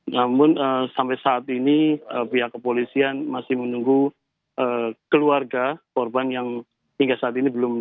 namun sampai saat ini pihak kepolisian masih menunggu keluarga korban yang hingga saat ini belum